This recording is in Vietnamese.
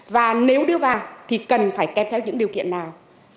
và nếu đưa vào thì cần phải kẹp theo những điều kiện nào